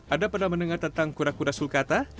ada pada mendengar tentang kura kura sulcata